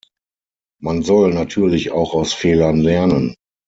Man soll natürlich auch aus Fehlern lernen.